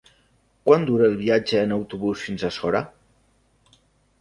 Quant dura el viatge en autobús fins a Sora?